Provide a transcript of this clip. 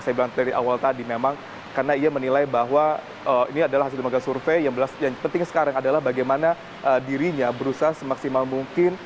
saya bilang dari awal tadi memang karena ia menilai bahwa ini adalah hasil lembaga survei yang penting sekarang adalah bagaimana dirinya berusaha semaksimal mungkin